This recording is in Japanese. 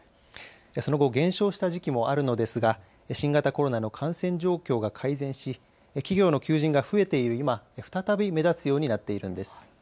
その後、減少した時期もあるのですが新型コロナの感染状況が改善し企業の求人が増えている今、再び目立つようになっているんです。